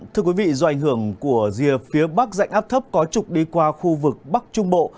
thưa quý vị do ảnh hưởng của rìa phía bắc dãnh áp thấp có trục đi qua khu vực bắc trung bộ